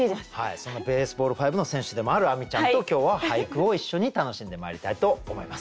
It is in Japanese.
そのＢａｓｅｂａｌｌ５の選手でもある亜美ちゃんと今日は俳句を一緒に楽しんでまいりたいと思います。